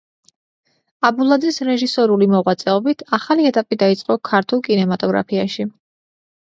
აბულაძის რეჟისორული მოღვაწეობით ახალი ეტაპი დაიწყო ქართულ კინემატოგრაფიაში.